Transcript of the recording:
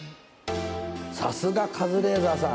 さすがカズレーザーさん